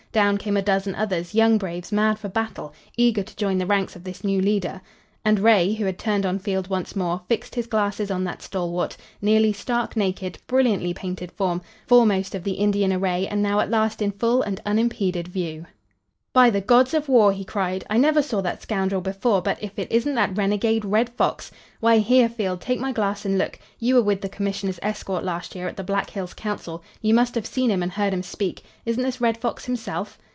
Down came a dozen others, young braves mad for battle, eager to join the ranks of this new leader, and Ray, who had turned on Field once more, fixed his glasses on that stalwart, nearly stark naked, brilliantly painted form, foremost of the Indian array and now at last in full and unimpeded view. "By the gods of war!" he cried. "I never saw that scoundrel before, but if it isn't that renegade Red Fox Why, here, Field! Take my glass and look. You were with the commissioners' escort last year at the Black Hills council. You must have seen him and heard him speak. Isn't this Red Fox himself?"